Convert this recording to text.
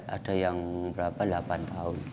ada yang berapa delapan tahun